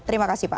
terima kasih pak